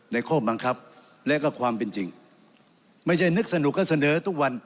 ข้อบังคับและก็ความเป็นจริงไม่ใช่นึกสนุกก็เสนอทุกวัน